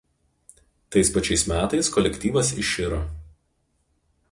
Tais pačiais metais kolektyvas iširo.